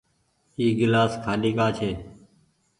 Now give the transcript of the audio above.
اي گلآس کآلي ڪآ ڇي ۔